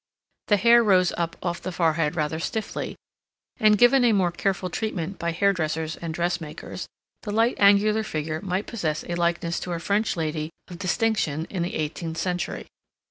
The hair rose up off the forehead rather stiffly, and, given a more careful treatment by hairdressers and dressmakers, the light angular figure might possess a likeness to a French lady of distinction in the eighteenth century.